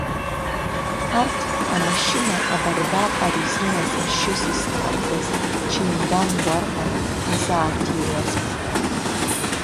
Арҭ, амашьына абарбал арезина ҵаршьыс изҵарҵаз, ҽеиндаз Уарлам изаарҭиуазма.